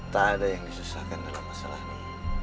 tak ada yang disusahkan dalam masalah ini